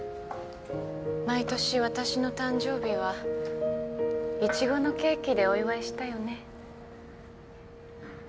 毎年私の誕生日はイチゴのケーキでお祝いしたよね。